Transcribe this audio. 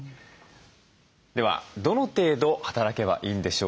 ではどの程度働けばいいんでしょうか。